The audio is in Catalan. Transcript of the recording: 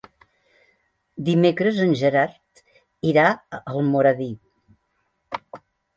Dimecres en Gerard irà a Almoradí.